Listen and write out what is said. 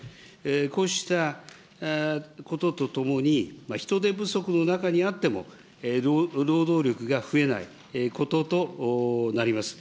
こうしたこととともに、人手不足の中にあっても、労働力が増えないこととなります。